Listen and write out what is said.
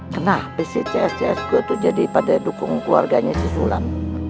kenapa si cs cs gue tuh jadi pada dukung keluarganya si suram